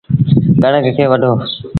ڪڻڪ کي وڍو۔